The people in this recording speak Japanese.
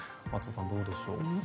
松尾さん、どうでしょう。